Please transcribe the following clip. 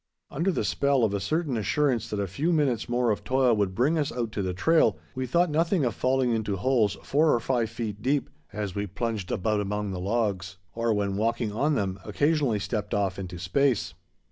Under the spell of a certain assurance that a few minutes more of toil would bring us out to the trail, we thought nothing of falling into holes four or five feet deep, as we plunged about among the logs, or, when walking on them, occasionally stepped off into space.